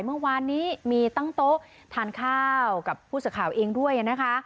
เมื่อวานนี้มีตั้งโต๊ะทานข้าวกับผู้สื่อข่าวเองด้วยนะคะ